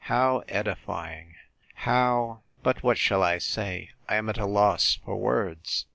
—How edifying! How!—But what shall I say?—I am at loss for words.